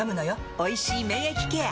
「おいしい免疫ケア」！